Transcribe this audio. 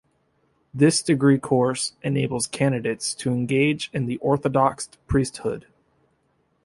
This degree course enables candidates to engage in the Orthodox priesthood.